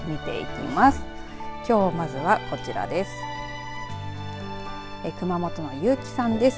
きょう、まずはこちらです。